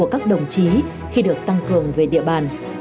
các đồng chí khi được tăng cường về địa bàn